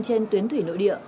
trên tuyến thủy nội địa